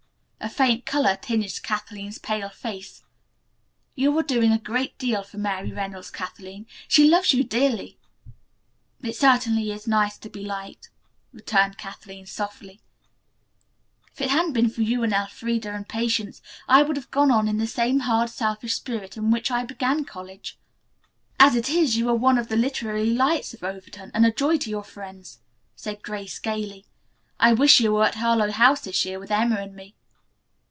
A faint color tinged Kathleen's pale face. "You are doing a great deal for Mary Reynolds, Kathleen. She loves you dearly!" "It certainly is nice to be liked," returned Kathleen softly. "If it hadn't been for you and Elfreda and Patience I would have gone on in the same hard, selfish spirit in which I began college." "As it is, you are one of the literary lights of Overton, and a joy to your friends," said Grace gayly. "I wish you were at Harlowe House this year with Emma and me."